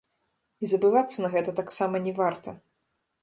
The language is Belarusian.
І забывацца на гэта таксама не варта.